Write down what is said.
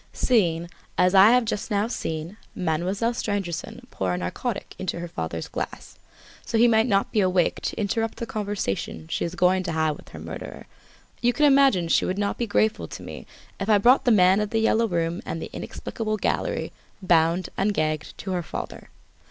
"Seeing, as I have just now seen, Mademoiselle Stangerson pour a narcotic into her father's glass, so that he might not be awake to interrupt the conversation she is going to have with her murderer, you can imagine she would not be grateful to me if I brought the man of "The Yellow Room" and the inexplicable gallery, bound and gagged, to her father.